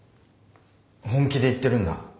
本気で言ってるんだ。